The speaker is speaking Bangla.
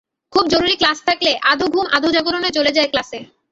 খুব জরুরি ক্লাস থাকলে আধো ঘুম আধো জাগরণে চলে যায় ক্লাসে।